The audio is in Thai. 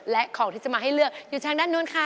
และของที่จะมาให้เลือกอยู่ทางด้านนู้นค่ะ